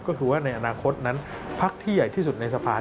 ก็คือว่าในอนาคตนั้นพักที่ใหญ่ที่สุดในสภา